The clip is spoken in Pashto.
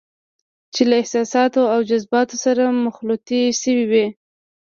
چې له احساساتو او جذباتو سره مخلوطې شوې وي.